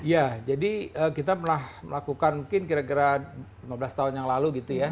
ya jadi kita melakukan mungkin kira kira lima belas tahun yang lalu gitu ya